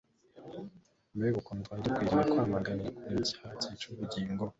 mbega ukuntu twari dukwiriye kwamaganira kure icyaha cyica ubugingo.